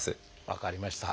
分かりました。